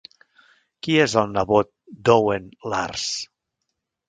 Qui és el nebot d'Owen Lars?